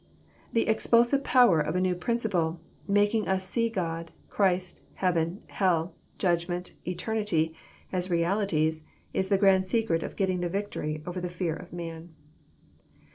The expulsive power of a new principle, making us see God, Christ, heaven, hell, judgment, eternity, as realities. Is the grand secret of getting the victory over the fear of man.